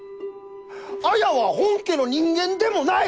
綾は本家の人間でもない！